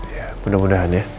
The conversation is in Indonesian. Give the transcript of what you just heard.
ya mudah mudahan ya